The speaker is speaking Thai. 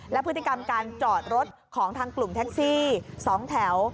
และพฤติกรรมการจอดรถของทางกลุ่มแท็กซี่๒แถว